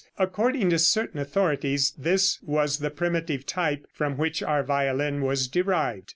According to certain authorities this was the primitive type from which our violin was derived.